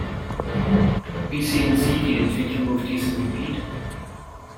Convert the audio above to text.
Wie sehen Sie die Entwicklung auf diesem Gebiet?